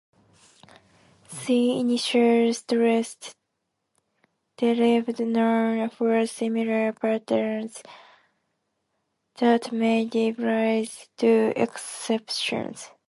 See initial-stress-derived noun for similar patterns that may give rise to exceptions.